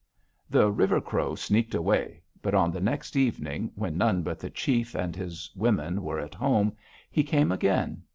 "The River Crow sneaked away, but on the next evening, when none but the chief and his women were at home, he came again.